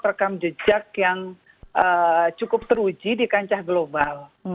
rekam jejak yang cukup teruji di kancah global